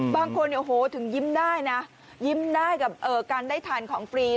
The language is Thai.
บางคนถึงยิ้มได้นะยิ้มได้กับการได้ทานของฟรี